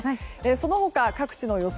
その他、各地の予想